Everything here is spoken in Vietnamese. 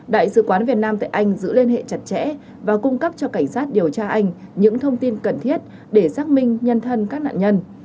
đại sứ quán việt nam tại anh giữ liên hệ chặt chẽ và cung cấp cho cảnh sát điều tra anh những thông tin cần thiết để xác minh nhân thân các nạn nhân